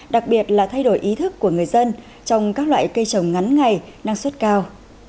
đặc biệt là thay đổi ý thức của người dân trong các loại cây trồng ngắn ngày năng suất cao